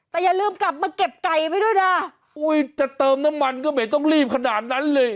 แต่อย่าลืมกลับมาเก็บไก่ไว้ด้วยนะอุ้ยจะเติมน้ำมันก็ไม่ต้องรีบขนาดนั้นเลย